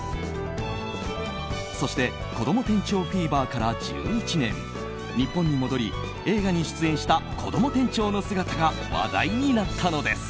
そしてこども店長フィーバーから１１年日本に戻り、映画に出演したこども店長の姿が話題になったのです。